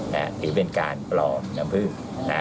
ถือเป็นการปลอมน้ำผึ้ง